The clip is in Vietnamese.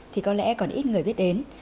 thì có lẽ còn ít người biết đến